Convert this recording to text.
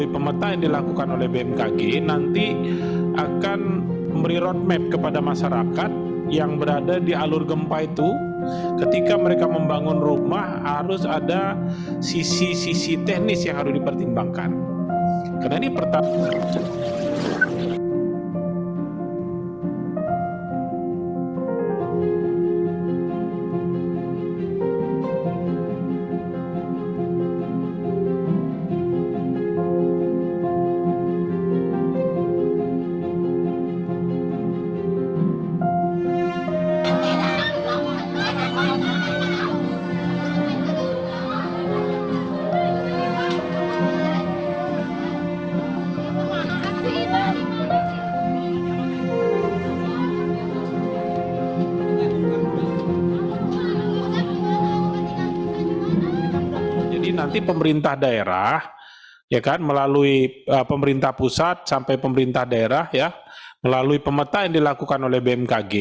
pemerintah daerah melalui pemerintah pusat sampai pemerintah daerah melalui pemerta yang dilakukan oleh bmkg